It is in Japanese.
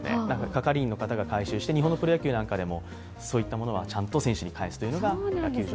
係員の方が回収して日本のプロ野球なんかでもそういったものはちゃんと選手に返すという。